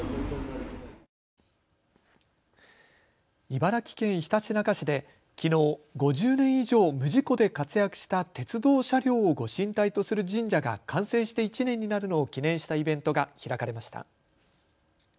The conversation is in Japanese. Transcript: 茨城県ひたちなか市できのう５０年以上、無事故で活躍した鉄道車両をご神体とする神社が完成して１年になるのを記念したイベントが開かれました。